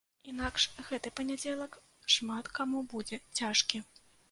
Інакш гэты панядзелак шмат каму будзе цяжкі.